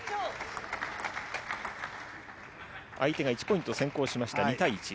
相手が１ポイント先行しました、２対１。